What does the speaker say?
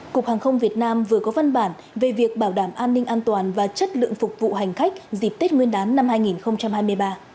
cục hàng không việt nam vừa có văn bản về việc bảo đảm an ninh an toàn và chất lượng phục vụ hành khách dịp tết nguyên đán năm hai nghìn hai mươi ba